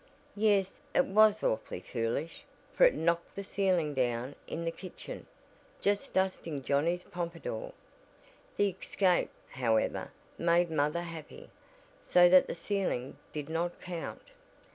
"Yes, it was awfully foolish, for it knocked the ceiling down in the kitchen, just dusting Johnnie's pompadour. The escape, however, made mother happy, so that the ceiling did not count."